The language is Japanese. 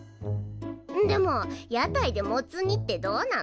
でも屋台でモツ煮ってどうなの？